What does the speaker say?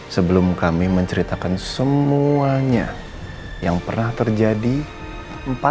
sebelum kami menceritakan semuanya yang pernah terjadi empat tahun lalu